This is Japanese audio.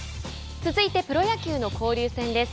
続いてプロ野球の交流戦です。